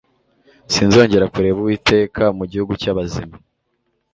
sinzongera kureba uwiteka mu gihugu cy'abazima